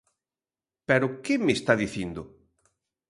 Pero ¿que me está dicindo?